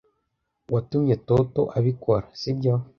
Watumye Toto abikora, sibyo?